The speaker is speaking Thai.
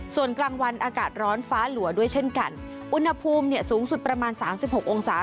ส่วนกลางวันอากาศร้อนฟ้าหลัวด้วยเช่นกันอุณหภูมิเนี่ยสูงสุดประมาณสามสิบหกองศา